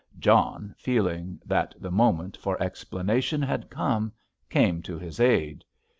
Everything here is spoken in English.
John, feeling that the moment for explanation had come, came to his aid.